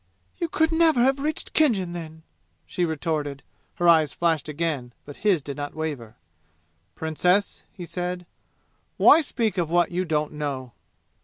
"You could never have reached Khinjan then!" she retorted. Her eyes flashed again, but his did not waver. "Princess," he said, "why speak of what you don't know?"